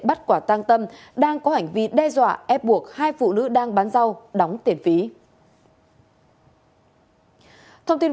bắt quả tăng tâm đang có hành vi đe dọa ép buộc hai phụ nữ đang bán rau đóng tiền phí